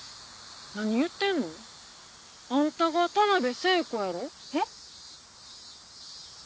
何言うてんの？あんたが田辺聖子やろ？え？